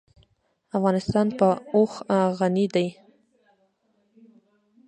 افغانستان په اوښ غني دی.